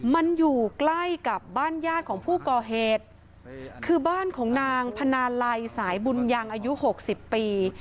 มันอยู่ใกล้กับบ้านญาติของผู้ก่อเหตุคือบ้านของนางพนาลัยสายบุญยังอายุหกสิบปี